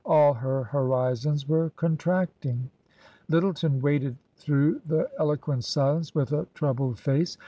All her horizons were contracting. Lyttleton waited through the eloquent silence with a troubled face.